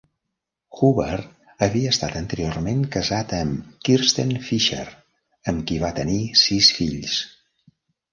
Huber havia estat anteriorment casat amb Kirsten Fischer, amb qui va tenir sis fills.